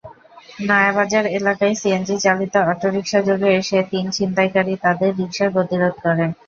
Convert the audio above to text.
নয়াবাজার এলাকায় সিএনজিচালিত অটোরিকশাযোগে এসে তিন ছিনতাইকারী তাঁদের রিকশার গতিরোধ করে।